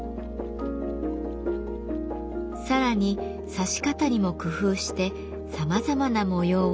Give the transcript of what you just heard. さらに刺し方にも工夫してさまざまな模様を描きました。